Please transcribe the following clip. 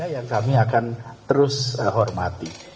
yang kami akan terus hormati